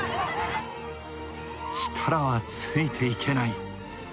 設楽はついていけない。